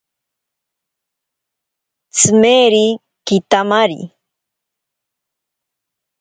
Tsimeri kitamari.